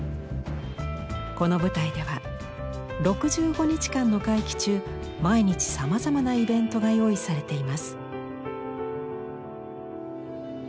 この舞台では６５日間の会期中毎日さまざまなイベントが用意されています。